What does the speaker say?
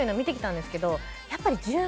やっぱり。